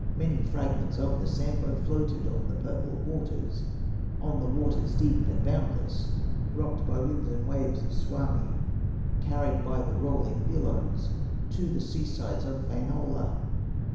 Many fragments of the Sampo Floated on the purple waters, On the waters deep and boundless, Rocked by winds and waves of Suomi, Carried by the rolling billows To the sea sides of Wainola.